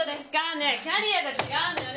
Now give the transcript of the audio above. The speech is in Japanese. ねえキャリアが違うのよね